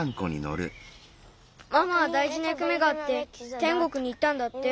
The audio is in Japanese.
ママはだいじなやくめがあっててんごくにいったんだって。